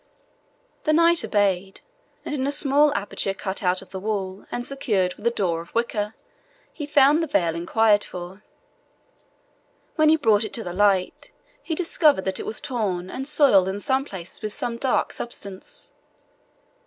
The knight obeyed, and in a small aperture cut out of the wall, and secured with a door of wicker, he found the veil inquired for. When he brought it to the light, he discovered that it was torn, and soiled in some places with some dark substance.